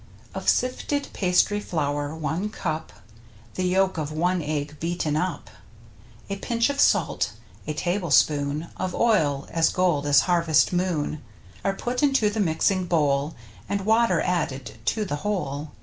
Of sifted pastry flour, one cup. The yolk of one egg beaten up, A pinch of salt, a tablespoon Of oil, as gold as Han^est moon. Are put into the mixing bowl, And water added to the whole.